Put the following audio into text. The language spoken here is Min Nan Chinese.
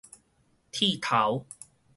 剃頭